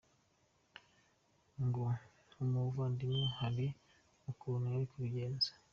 Ngo nk’umuvandimwe hari ukuntu yari kubigenza.